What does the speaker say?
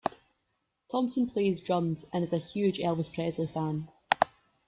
Thompson plays drums and is a huge Elvis Presley fan.